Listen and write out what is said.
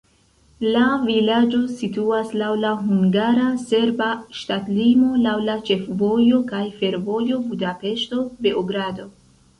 La vilaĝo situas laŭ la hungara-serba ŝtatlimo laŭ la ĉefvojo kaj fervojo Budapeŝto-Beogrado.